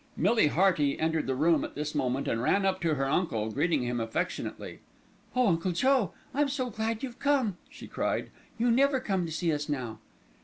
Millie Hearty entered the room at this moment and ran up to her uncle, greeting him affectionately. "Oh, Uncle Joe, I'm so glad you've come," she cried. "You never come to see us now."